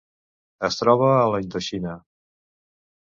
Es troba a la Indoxina: